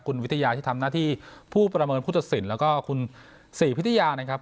คุณวิทยาที่ทำหน้าที่ผู้ประเมินผู้ตัดสินแล้วก็คุณศรีพิทยานะครับ